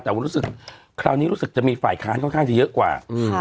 แต่ว่ารู้สึกคราวนี้รู้สึกจะมีฝ่ายค้านค่อนข้างจะเยอะกว่า